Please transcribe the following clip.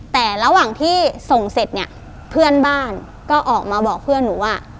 แต่ระหว่างที่ส่งเสร็จเนี่ยเพื่อนบ้านก็ออกมาบอกเพื่อนหนูว่า